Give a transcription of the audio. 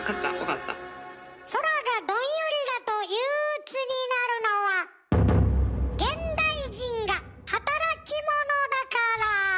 空がドンヨリだと憂鬱になるのは現代人が働き者だから。